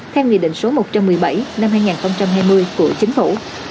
theo nghị định số một trăm một mươi bảy năm hai nghìn hai mươi của chính phủ